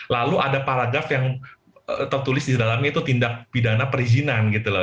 lalu ada paragraf yang tertulis di dalamnya itu tindak pidana perizinan gitu loh